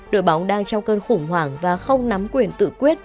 đội bóng đang trong cơn khủng hoảng và không nắm quyền tự quyết